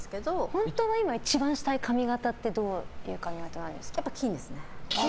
本当は今一番したい髪形ってどういう髪形ですか。